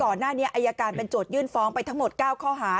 ก่อนหน้านี้อายการเป็นโจทยื่นฟ้องไปทั้งหมด๙ข้อหา